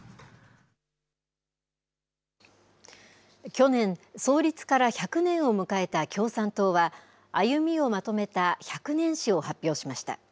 去年、創立から１００年を迎えた共産党は、歩みをまとめた百年史を発表しました。